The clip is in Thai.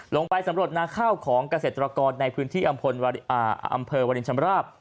ลงไปสำรวจนาข้าวของเกษตรกรในพื้นที่อำเภอวรินชำราบ